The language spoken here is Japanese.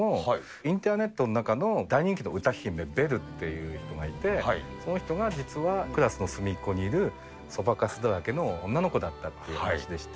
インターネットの中の大人気の歌姫、ベルという人がいて、その人が実はクラスの隅っこにいるそばかすだらけの女の子だったっていう話でして。